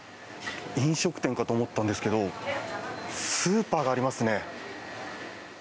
飲食店かと思ったんですけどスーパーがありますね。